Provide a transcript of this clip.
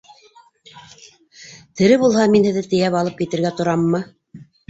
Тере булһа, мин һеҙҙе тейәп алып китергә тораммы?